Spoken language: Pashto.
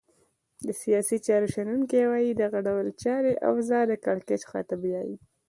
د سیاسي چارو شنونکي وایې دغه ډول چاري اوضاع د کرکېچ خواته بیایې.